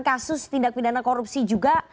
kasus tindak pidana korupsi juga